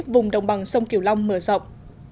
vùng đồng bằng sông cửu long mở rộng